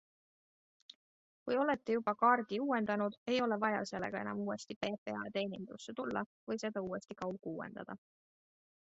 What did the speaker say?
Kui olete juba kaardi uuendanud, ei ole vaja sellega enam uuesti PPA teenindusse tulla või seda uuesti kauguuendada.